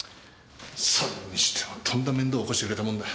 それにしてもとんだ面倒を起こしてくれたもんだ。